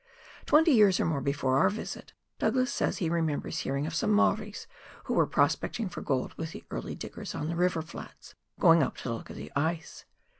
Twenty years or more before our visit, Douglas says he remembers hearing of some Maoris, who were prospecting for gold with the early diggers on the river flats, going up to look at the ice.